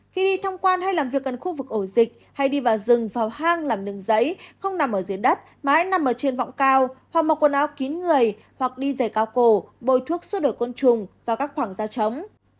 khi đi thăm quan hay làm việc gần khu vực ổ dịch hay đi vào rừng vào hang làm nương giấy không nằm ở dưới đất mà anh nằm ở trên vọng cao hoặc mặc quần áo kín người hoặc đi dày cao cổ bồi thuốc sốt đổi côn trùng vào các khoảng dao chống